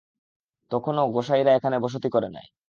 তখনো গোঁসাইরা এখানে বসতি করে নাই।